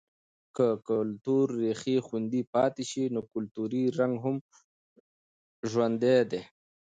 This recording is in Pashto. که که د کلتور ریښې خوندي پاتې شي، نو کلتوری رنګ هم ژوندی دی.